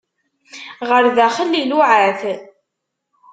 Ɣer daxel, iluɛa-t.